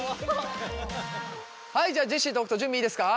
はいじゃあジェシーと北斗準備いいですか？